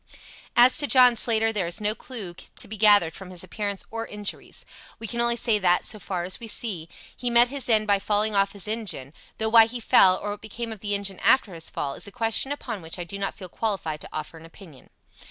"As to John Slater, there is no clue to be gathered from his appearance or injuries. We can only say that, so far as we can see, he met his end by falling off his engine, though why he fell, or what became of the engine after his fall, is a question upon which I do not feel qualified to offer an opinion."